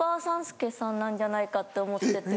なんじゃないかって思ってて。